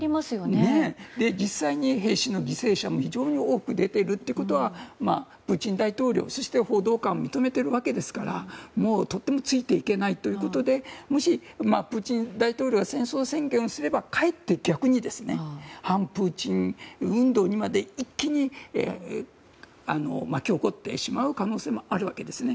実際に兵士の犠牲者も非常に多く出ているということはプーチン大統領や報道官も認めているわけですからもうとてもついていけないということでもし、プーチン大統領が戦争宣言をすればかえって逆に反プーチン運動にまで一気に巻き起こってしまう可能性があるわけですね。